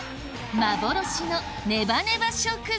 幻のネバネバ食材